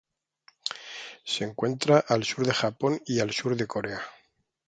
Se encuentra al sur de Japón y al sur de Corea.